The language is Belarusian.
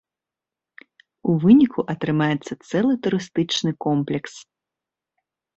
У выніку атрымаецца цэлы турыстычны комплекс.